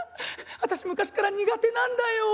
あたし昔から苦手なんだよ。